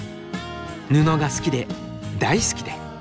布が好きで大好きで。